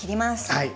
はい。